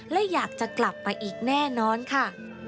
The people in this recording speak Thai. และอยากจะกลับไปอีกแน่นอนค่ะ